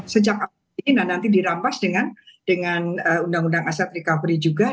sejak awal ini nanti dirampas dengan undang undang aset recovery juga